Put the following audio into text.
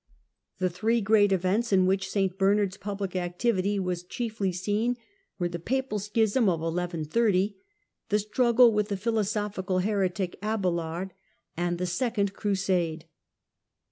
The three great events in which St Bernard's public activity was chiefly seen were the papal schism of 1130, the struggle with the "philosophical heretic" Abelard, and the Second Crusade.